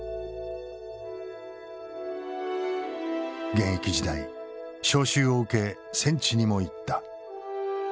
現役時代召集を受け戦地にも行った。